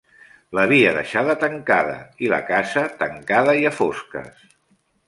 L'havia deixada tancada, i la casa tancada i a fosques.